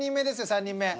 ３人目。